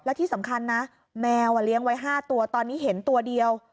และที่สำคัญนะแมวเลี้ยงไว้๕ตัวตอนนี้เห็นตัวเดียว